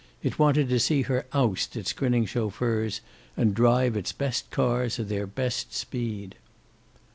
It wanted to see her oust its grinning chauffeurs, and drive its best cars at their best speed.